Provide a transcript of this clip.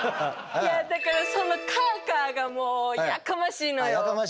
だからその「カァカァ」がもうやかましいのよ。